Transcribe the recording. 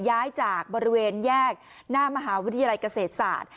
ย้ายจากบริเวณแยกหน้ามหาวิทยาลัยเกษตรศาสตร์